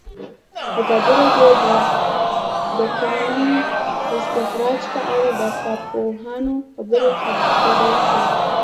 ازادي راډیو د د کانونو استخراج په اړه د کارپوهانو خبرې خپرې کړي.